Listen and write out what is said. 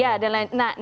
iya dengan yang lain